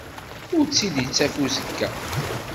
Ur tt-id-ittaf uzekka.